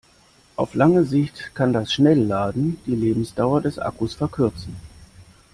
Auf lange Sicht kann das Schnellladen die Lebensdauer des Akkus verkürzen.